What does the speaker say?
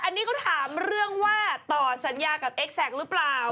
อันนี้เขาถามเรื่องว่าต่อสัญญากับเอ็กแซคหรือเปล่า